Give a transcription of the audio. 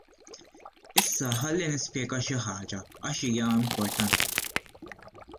Issa ħalli nispjega xi ħaġa għax hija importanti.